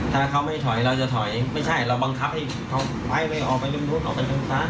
ไม่ใช่เราบังคับให้เขาออกไปยุ่มค่ะ